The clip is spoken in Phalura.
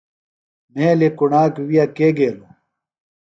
مھیلیۡ کُݨاک وِیہ کے گیلوۡ؟